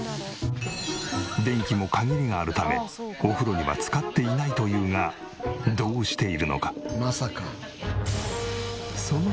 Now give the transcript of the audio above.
電気も限りがあるためお風呂には使っていないというがどうしているのか？